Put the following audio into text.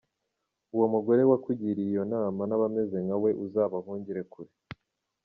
Uwo mugore wakugiriiye iyo nama n’abameze nka we uzabahungire kure.